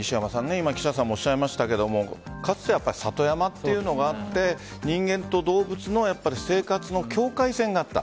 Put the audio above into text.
今岸田さんもおっしゃいましたがかつて、里山というのがあって人間と動物の生活の境界線があった。